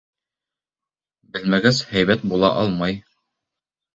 Белмәгәс, һәйбәт була алмай.